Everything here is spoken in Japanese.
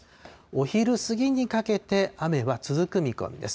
お昼過ぎにかけて、雨は続く見込みです。